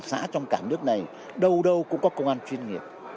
một mươi một xã trong cả nước này đâu đâu cũng có công an chuyên nghiệp